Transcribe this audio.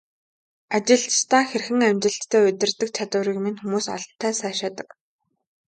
Ажилчдаа хэрхэн амжилттай удирддаг чадварыг минь хүмүүс олонтаа сайшаадаг.